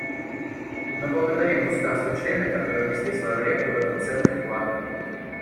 Мы благодарим государства-члены, которые внесли свою лепту в этот ценный вклад.